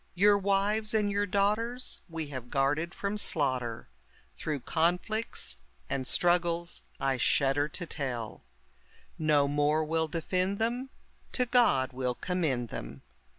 Your wives and your daughters we have guarded from slaughter, Through conflicts and struggles I shudder to tell; No more well defend them, to God we'll commend them.